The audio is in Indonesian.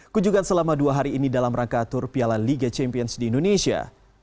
kunjungan selama dua hari ini dalam rangka atur piala liga champions di indonesia